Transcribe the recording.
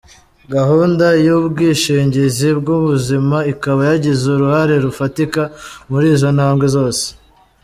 Gahunda y’ubwishingizi bw’ubuzima ikaba yagize uruhare rufatika muri izi ntambwe zose.